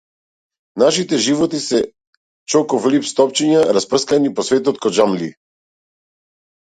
Нашите животи се чоко флипс топчиња, распрскани по светот ко џамлии.